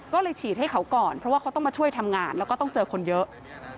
ก็เลยฉีดให้เขาก่อนเพราะว่าเขาต้องมาช่วยทำงานแล้วก็ต้องเจอคนเยอะ